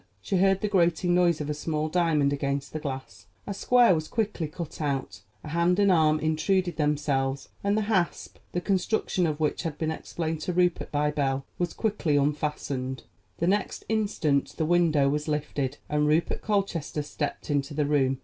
She heard the grating noise of a small diamond against the glass; a square was quickly cut out, a hand and arm intruded themselves, and the hasp, the construction of which had been explained to Rupert by Belle, was quickly unfastened. The next instant the window was lifted, and Rupert Colchester stepped into the room.